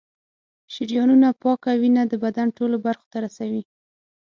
شریانونه پاکه وینه د بدن ټولو برخو ته رسوي.